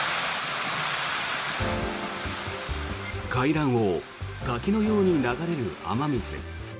階段を滝のように流れる雨水。